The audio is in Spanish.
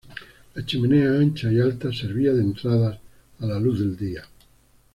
La chimenea ancha y alta servía de entrada a la luz del día.